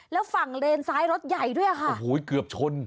แล้วฝั่งเลนซ้ายรถใหญ่ด้วยค่ะโอ้โหเกือบชน